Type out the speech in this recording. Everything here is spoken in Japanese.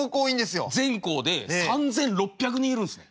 全校で３，６００人いるんですね。